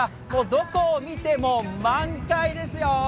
どこを見ても満開ですよ。